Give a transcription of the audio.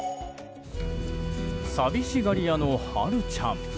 寂しがり屋のハルちゃん。